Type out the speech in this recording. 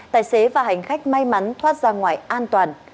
tài xế và hành khách may mắn thoát ra ngoài an toàn